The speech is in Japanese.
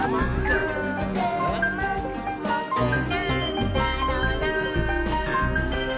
「もーくもくもくなんだろなぁ」